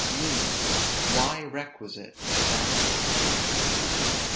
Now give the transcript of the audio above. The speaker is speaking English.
UNITY WHY REQUISITE TO VASTNESS.